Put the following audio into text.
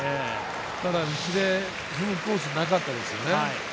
ただ、内で踏むコースがなかったですよね。